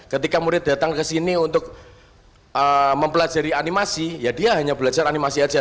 ketika murid datang ke sini untuk mempelajari animasi ya dia hanya belajar animasi saja